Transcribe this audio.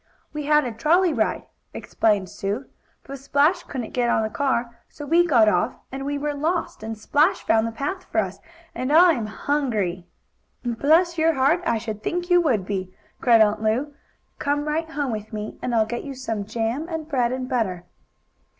"We had a trolley ride," explained Sue, "but Splash couldn't get on the car, so we got off, and we were lost, and Splash found the path for us, and I'm hungry!" "Bless your heart! I should think you would be!" cried Aunt Lu. "Come right home with me and I'll get you some jam and bread and butter."